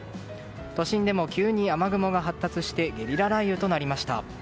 都心でも急に雨雲が発達してゲリラ雷雨となりました。